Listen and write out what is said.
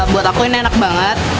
buat aku ini enak banget